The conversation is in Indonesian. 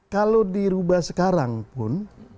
kalau dirubah sekarang pun